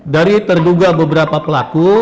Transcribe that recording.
dari terduga beberapa pelaku